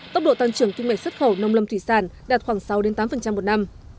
tốc độ tăng trưởng kinh mệnh xuất khẩu nông lâm thủy sản đạt khoảng sáu tám một năm